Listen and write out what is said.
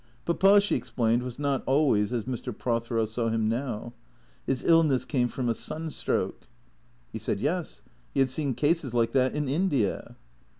Papa, she explained, was not always as Mr. Prothero saw him now. His illness came from a sunstroke. He said, yes; he had seen cases like that in India.